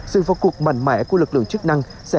sự phục vụ mạnh mẽ của lực lượng chức năng sẽ góp phần kéo giảm